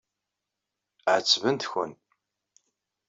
Ɛettbent-ken.